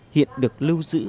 hiện được lưu giữ ở đây